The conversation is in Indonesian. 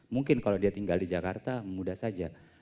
mungkin kalau dia tinggal di jakarta mudah saja